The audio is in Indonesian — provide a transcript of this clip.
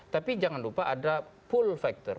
tapi jangan lupa ada pull factor